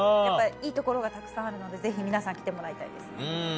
いい所がたくさんあるので、ぜひ皆さん、来てもらいたいです。